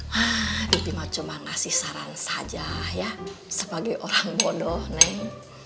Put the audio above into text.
haa bibi mah cuma ngasih saran saja ya sebagai orang bodoh neng